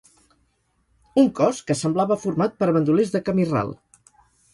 Un cos que semblava format per bandolers de camí ral